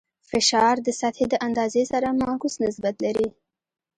فشار د سطحې د اندازې سره معکوس نسبت لري.